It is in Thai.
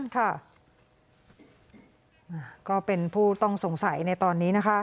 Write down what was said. ก็เป็นผู้ต้องสงสัยในตอนนี้นะคะ